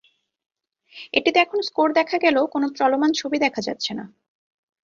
এটিতে এখন স্কোর দেখা গেলেও কোনো চলমান ছবি দেখা যাচ্ছে না।